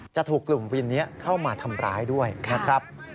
จะถูกกลุ่มวินนี้เข้ามาทำร้ายด้วยนะครับ